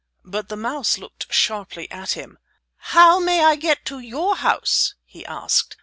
But the mouse looked sharply at him. "How may I get to your house?" he asked.